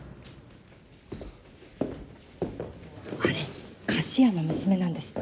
あれ菓子屋の娘なんですって？